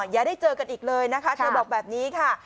อย่าได้เจอกันอีกเลยนะคะเธอบอกแบบนี้ค่ะ